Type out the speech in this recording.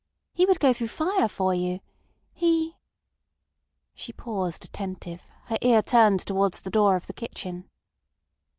"He would go through fire for you. He—" She paused attentive, her ear turned towards the door of the kitchen.